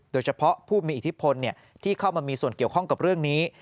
โดยเฉพาะผู้มีอิทธิพลที่เข้ามามีส่วนเกี่ยวข้องกับเรื่องนี้